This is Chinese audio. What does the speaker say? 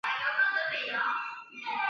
出色的稳定性和对比赛的掌控能力。